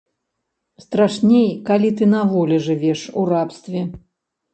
Страшней, калі ты на волі жывеш у рабстве.